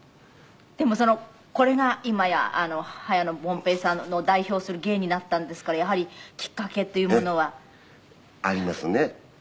でもそのこれが今や早野凡平さんの代表する芸になったんですからやはりきっかけっていうものは。ありますね。